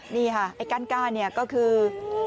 นี่ค่ะไอ้กั้นก้าเนี่ยก็คือ